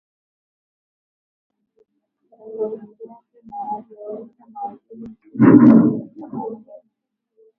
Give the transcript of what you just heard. tofauti yake na hao aliowaita mawaziri mizigoWadau wa sanaa habari na michezo ambao